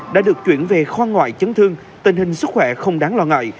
đã được chuyển về khoa ngoại chấn thương tình hình sức khỏe không đáng lo ngại